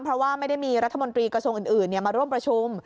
เพราะว่าไม่ได้มีรัฐมนตรีกระทรวงอื่นมาร่วมประชุม